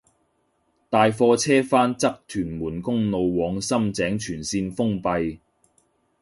大貨車翻側屯門公路往深井全綫封閉